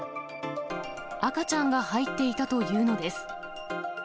赤ちゃんが入っていたというのです。